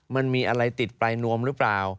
มันมีอะไรติดปลายนวมหรือเปล่า